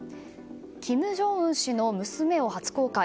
金正恩氏の娘を初公開。